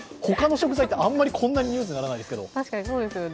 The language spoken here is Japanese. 他の食材ってあまりこんなにニュースにならないですけど。